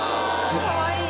かわいい。